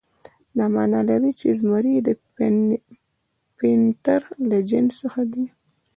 دا معنی لري چې زمری د پینتر له جنس څخه دی.